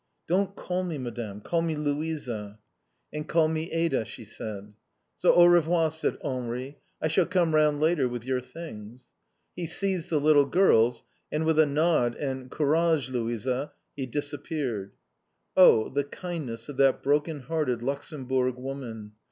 "Don't call me Madame, call me Louisa." "And call me Ada," she said. "So, au revoir!" said Henri. "I shall come round later with your things." He seized the little girls, and with a nod and "Courage, Louisa," he disappeared. Oh, the kindness of that broken hearted Luxemburg woman.